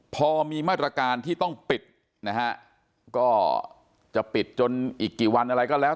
พอมีมาตรการที่ต้องปิดนะฮะก็จะปิดจนอีกกี่วันอะไรก็แล้ว